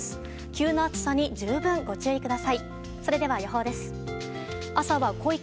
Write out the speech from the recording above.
急な暑さに十分ご注意ください。